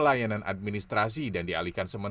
jadi dengan sterilisasi berarti kan